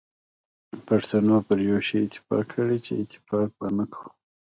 پښتنو پر یو شی اتفاق کړی چي اتفاق به نه کوو.